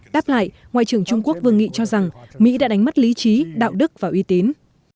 đáp lại ngoại trưởng trung quốc vương nghị cho rằng mỹ đã đánh mất lý trí đạo đức và uy tín